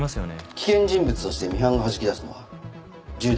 危険人物としてミハンがはじき出すのは重大犯罪。